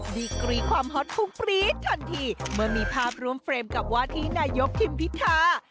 ดีกรีความฮอตฟุ้งปรี๊ดทันทีเมื่อมีภาพร่วมเฟรมกับวาธินายกทิมพิธา